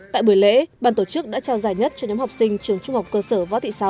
tại buổi lễ ban tổ chức đã trao giải nhất cho nhóm học sinh trường trung học cơ sở võ thị sáu